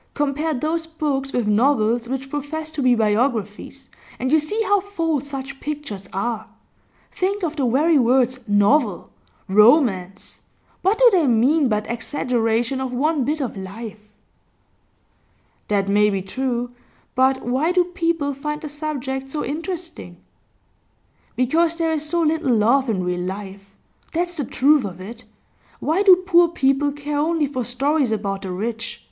Compare those books with novels which profess to be biographies, and you see how false such pictures are. Think of the very words "novel," "romance" what do they mean but exaggeration of one bit of life?' 'That may be true. But why do people find the subject so interesting?' 'Because there is so little love in real life. That's the truth of it. Why do poor people care only for stories about the rich?